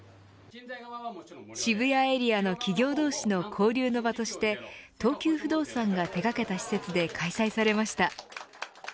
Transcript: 渋谷エリアの企業同士の交流の場として東急不動産が手がけた施設で開催されました。